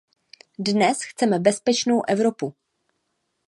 Dnes chceme bezpečnou Evropu.